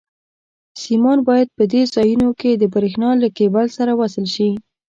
سیمان باید په دې ځایونو کې د برېښنا له کېبل سره وصل شي.